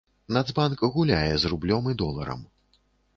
Нацбанк гуляе з рублём і доларам.